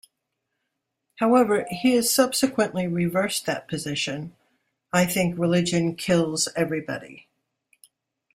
However he has subsequently reversed that position: I think religion kills everybody.